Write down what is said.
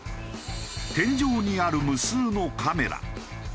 天井にある無数のカメラ。